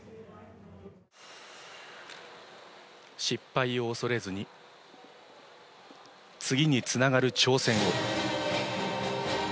失敗を恐れずに次につながる挑戦を。